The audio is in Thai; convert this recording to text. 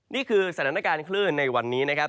นี่คือสถานการณ์คลื่นในวันนี้นะครับ